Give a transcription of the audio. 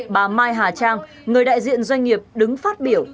bà mai hà trang người đại diện doanh nghiệp đứng phát biểu